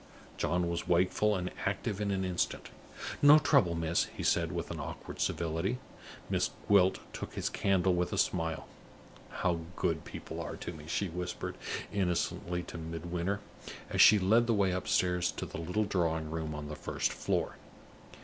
John was wakeful and active in an instant. "No trouble, miss," he said, with awkward civility. Miss Gwilt took his candle with a smile. "How good people are to me!" she whispered, innocently, to Midwinter, as she led the way upstairs to the little drawing room on the first floor.